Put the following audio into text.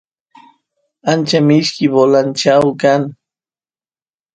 ancha mishki bolanchau kan